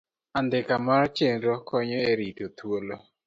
Andika mar Chenro konyo e rito thuolo.